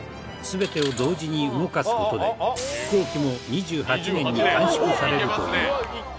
全てを同時に動かす事で工期も２８年に短縮されるという。